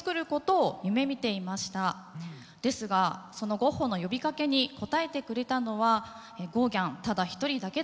ですがそのゴッホの呼びかけに答えてくれたのはゴーギャンただ１人だけだったんです。